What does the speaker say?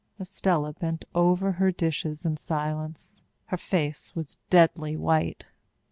Estella bent over her dishes in silence. Her face was deadly white.